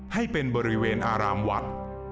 ให้เป็นบริเวณอารามวัด